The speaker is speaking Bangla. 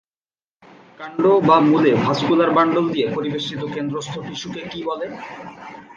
কাণ্ড বা মূলে ভাস্কুলার বান্ডল দিয়ে পরিবেষ্টিত কেন্দ্রস্থ টিস্যুকে কী বলে?